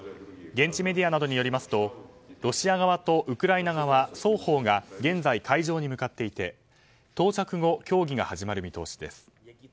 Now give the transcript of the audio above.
現地メディアなどによりますとロシア側とウクライナ側双方が現在、会場に向かっていて到着後、協議が始まる見通しです。